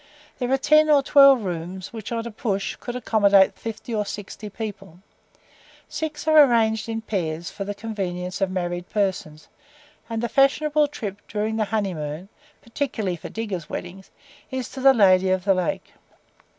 There are ten or twelve rooms which, on a push, could accommodate fifty or sixty people; six are arranged in pairs for the convenience of married persons, and the fashionable trip during the honey moon (particularly for diggers' weddings) is to the "Lady of the Lake."